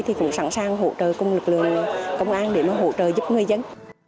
thì cũng sẵn sàng hỗ trợ cùng lực lượng công an để mà hỗ trợ giúp người dân